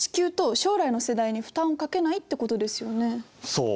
そう。